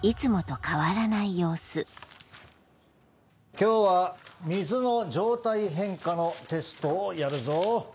今日は水の状態変化のテストをやるぞ。